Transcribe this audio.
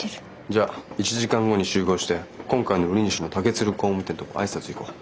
じゃあ１時間後に集合して今回の売り主の竹鶴工務店とこ挨拶行こう。